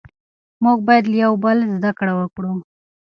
موږ بايد له يوه بل زده کړه وکړو.